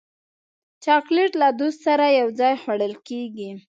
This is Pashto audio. چاکلېټ له دوست سره یو ځای خوړل کېږي.